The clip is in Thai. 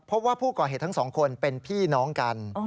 พบว่าผู้ก่อเหตุทั้งสองคนเป็นพี่น้องกัน